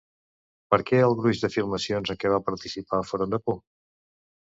Per què el gruix de filmacions en què va participar foren de por?